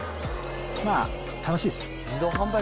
まあ、楽しいですよ。